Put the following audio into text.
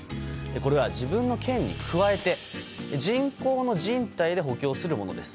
これは自分の腱に加えて人工のじん帯で補強するものです。